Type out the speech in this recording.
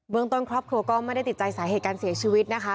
ต้นครอบครัวก็ไม่ได้ติดใจสาเหตุการเสียชีวิตนะคะ